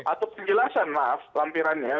atau penjelasan maaf lampirannya